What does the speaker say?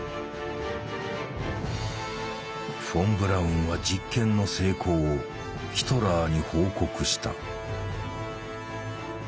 フォン・ブラウンは実験の成功をヒトラーに報告した。